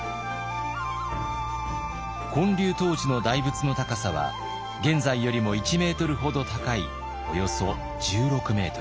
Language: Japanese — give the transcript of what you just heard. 建立当時の大仏の高さは現在よりも１ｍほど高いおよそ１６ｍ。